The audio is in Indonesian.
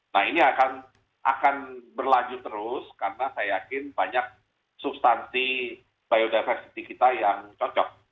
nah ini akan berlanjut terus karena saya yakin banyak substansi biodiversity kita yang cocok